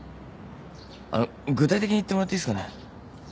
あの具体的に言ってもらっていいっすかね。